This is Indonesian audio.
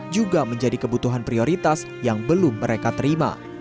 juga menjadi kebutuhan prioritas yang belum mereka terima